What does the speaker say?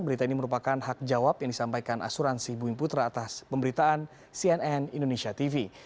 berita ini merupakan hak jawab yang disampaikan asuransi bumi putra atas pemberitaan cnn indonesia tv